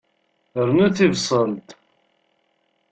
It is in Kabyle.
Rnu tibṣelt.